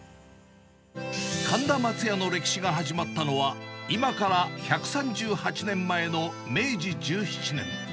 神田まつやの歴史が始まったのは、今から１３８年前の明治１７年。